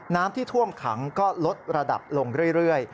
น้ำที่ท่วมขังก็ลดระดับลงเรื่อย